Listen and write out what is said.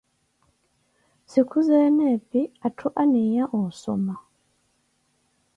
Sikhuzeene epi atthu aniiya osoma.